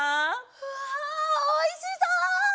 うわおいしそう！